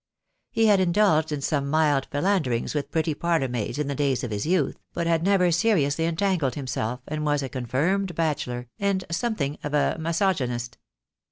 He had indulged in some mild philanderings with pretty parlour maids in the days of his youth, but had never seriously entangled himself, and was a confirmed bachelor, and something of a misogynist.